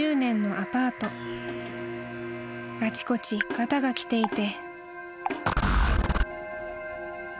［あちこちがたがきていて］